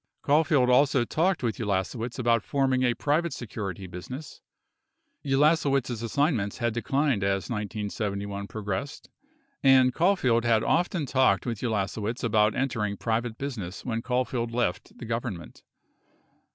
39 Caulfield also talked with Ulasewicz about forming a private security business. Ulasewicz' assignments had declined as 1971 progressed, and Caulfield had often talked with Ulasewicz about entering private business when Caulfield left the Government.